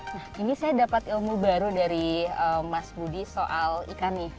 nah ini saya dapat ilmu baru dari mas budi soal ikan nih